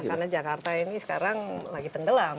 karena jakarta ini sekarang lagi tendelam